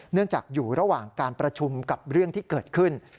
จากอยู่ระหว่างการประชุมกับเรื่องที่เกิดขึ้น